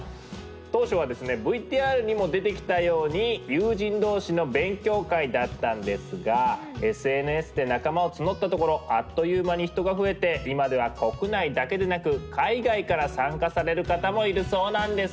当初はですねＶＴＲにも出てきたように友人同士の勉強会だったんですがＳＮＳで仲間を募ったところあっという間に人が増えて今では国内だけでなく海外から参加される方もいるそうなんです。